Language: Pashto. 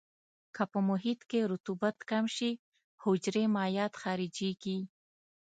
که په محیط کې رطوبت کم شي حجرې مایعات خارجيږي.